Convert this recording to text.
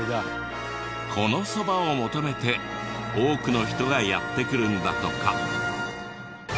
このそばを求めて多くの人がやって来るんだとか。